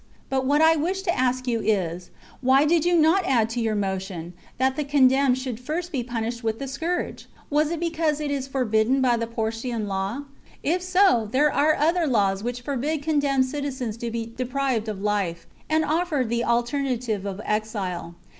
But what I wish to ask you is. Why did you not add to your motion that the condemned should first be punished with the scourge .'* Was it because it is forbidden by the Porcian law ? If so, there are other laws which forbid condemned citizens to be deprived of life, and offer the alternative of exile.